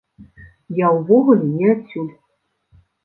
Я ўвогуле не адсюль.